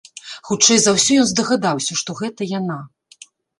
Хутчэй за ўсё ён здагадаўся, што гэта яна.